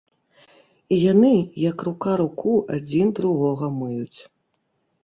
І яны, як рука руку, адзін другога мыюць.